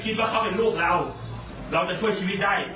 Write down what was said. คิดว่าเขาเป็นลูกเราเราจะช่วยชีวิตได้